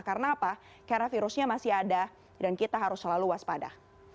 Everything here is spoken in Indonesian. karena apa karena virusnya masih ada dan kita harus selalu waspada